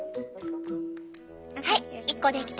はい１個できた！